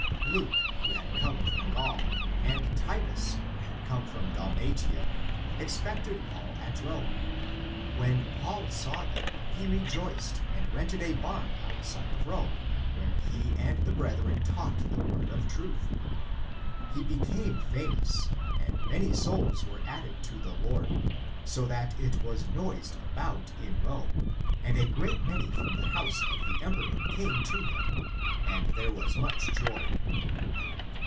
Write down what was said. Luke who had come from Gaul, and Titus who had come from Dalmatia, expected Paul at Rome. When Paul saw them, he rejoiced and rented a barn outside of Rome, where he and the brethren taught the word of truth. He became famous, and many souls were added to the Lord, so that it was noised about in Rome, and a great many from the house of the emperor came to him, and there was much joy.